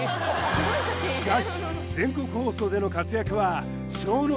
しかし全国放送での活躍はＳＨＯＮＯ